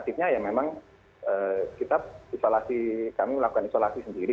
artinya ya memang kita isolasi kami melakukan isolasi sendiri